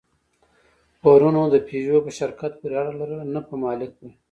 پورونو د پيژو په شرکت پورې اړه لرله، نه په مالک پورې.